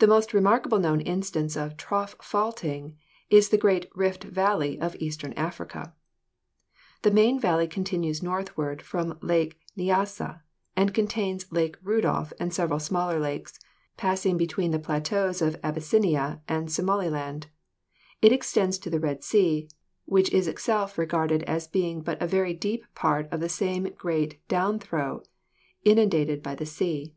The most remarkable known instance of trough faulting is the great Rift Valley of eastern Africa. The main val ley continues northward from Lake Nyassa and contains Lake Rudolph and several smaller lakes; passing between the plateaus of Abyssinia and Somaliland, it extends to the Red Sea, which is itself regarded as being but a very deep part of the same great downthrow inundated by the sea.